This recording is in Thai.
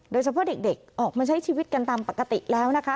โดยเฉพาะเด็กออกมาใช้ชีวิตกันตามปกติแล้วนะคะ